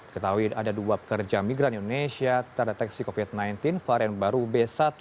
ketahui ada dua pekerja migran indonesia terdeteksi covid sembilan belas varian baru b satu satu